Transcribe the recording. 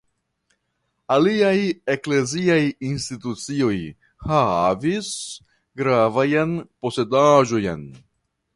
Aliaj ekleziaj institucioj havis gravajn posedaĵojn.